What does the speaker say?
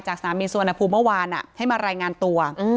จากสนามมีนสวนภูมิเมื่อวานให้มารายงานตัว